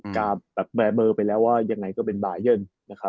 กลายแบบแบบเบอร์ไปแล้วยังไงก็เป็นบรายเยิน